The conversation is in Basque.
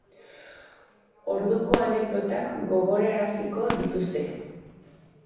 Orduko anekdotak gogoraraziko dituzte.